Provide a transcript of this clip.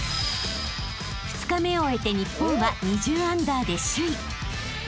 ［２日目を終えて日本は２０アンダーで首位］